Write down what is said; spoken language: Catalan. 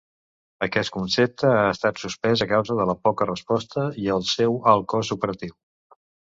Aquest concepte ha estat sospès a causa de la poca resposta i el seu alt cost operatiu.